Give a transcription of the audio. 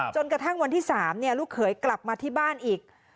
จนกระทั่งวันที่๓ลูกเขยกลับมาที่บ้านอีก